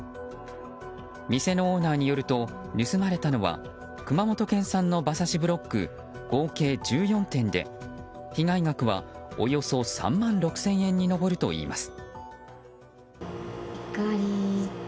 店のオーナーによると盗まれたのは熊本県産の馬刺しブロック合計１４点で被害額はおよそ３万６０００円に上るといいます。